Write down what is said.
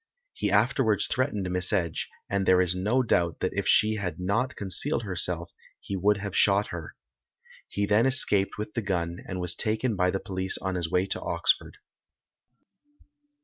He afterwards threatened Miss Edge, and there is no doubt that if she had not concealed herself he would have shot her. He then escaped with the gun, and was taken by the police on his way to Oxford.